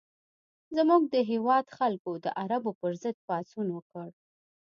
زموږ د هېواد خلکو د عربو پر ضد پاڅون وکړ.